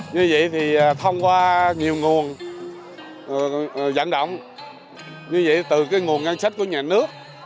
như vậy thông qua nhiều nguồn dẫn động từ nguồn ngân sách của nhà nước